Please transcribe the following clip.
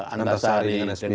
antasari dengan sbe